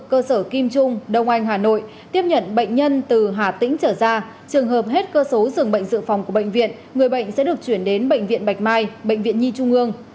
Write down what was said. cơ sở kim trung đông anh hà nội tiếp nhận bệnh nhân từ hà tĩnh trở ra trường hợp hết cơ số dường bệnh dự phòng của bệnh viện người bệnh sẽ được chuyển đến bệnh viện bạch mai bệnh viện nhi trung ương